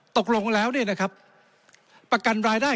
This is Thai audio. ตกลงแล้วเนี่ยนะครับประกันรายได้